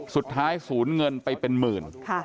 สุดท้ายสูญเงินไปเป็นหมื่น